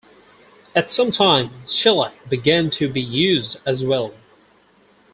At some time, shellac began to be used as well.